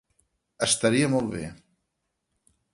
Estaria molt bé.